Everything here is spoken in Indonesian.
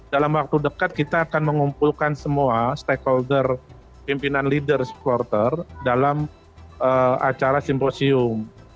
dalam waktu dekat kita akan mengumpulkan semua stakeholder pimpinan leader supporter dalam acara simposium